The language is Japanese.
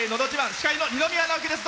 司会の二宮直輝です。